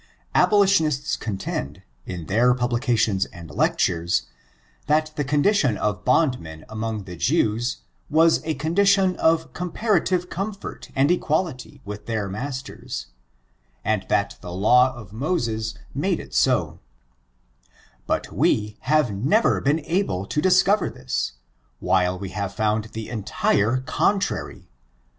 Abolitionists contend, in their publications and lec tures, that the condition of bondmen among the Jews, was a condition of comparative comfort and equality with their masters, and that the law of Moses made it 80b But we have never been able to discover this, while we have found the entire contrary.